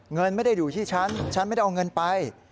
เงินไม่ได้อยู่ที่ฉันฉันไม่ได้เอาเงินไป